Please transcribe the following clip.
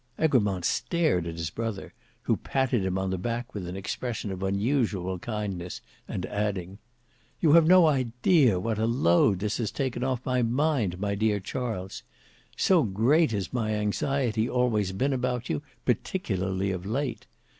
Egremont stared at his brother, who patted him on the back with an expression of unusual kindness, and adding, "You have no idea what a load this has taken off my mind, my dear Charles; so great has my anxiety always been about you, particularly of late.